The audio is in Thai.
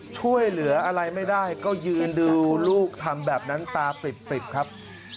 ช่วยเหลืออะไรไม่ได้ก็ยืนดูลูกทำแบบนั้นตาปริบครับ